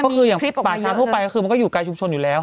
ก็คืออย่างป่าช้าทั่วไปก็คือมันก็อยู่ไกลชุมชนอยู่แล้ว